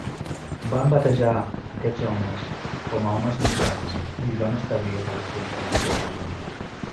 Van batejar aquests homes com a Homes Mitjans, i hi van establir relacions amistoses.